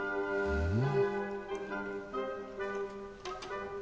うん。